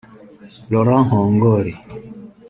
Laurent Nkongoli